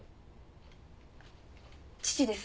父です。